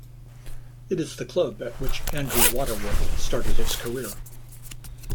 It is the club at which Andrew Waterworth started his career.